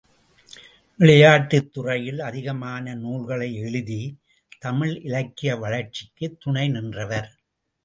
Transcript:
விளையாட்டுத்துறையில் அதிகமான நூல்களை எழுதி, தமிழ் இலக்கிய வளர்ச்சிக்கு துணை நின்றவர்.